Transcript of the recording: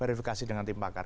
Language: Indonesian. verifikasi dengan tim bakar